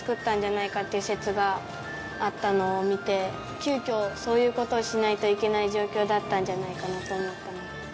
急遽そういう事をしないといけない状況だったんじゃないかなと思った。